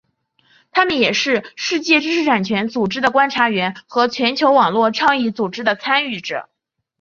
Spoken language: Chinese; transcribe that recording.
他们也是世界知识产权组织的观察员和全球网络倡议组织的参与者。